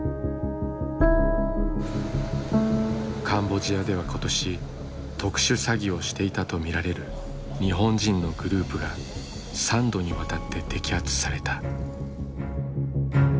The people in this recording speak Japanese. カンボジアでは今年特殊詐欺をしていたと見られる日本人のグループが３度にわたって摘発された。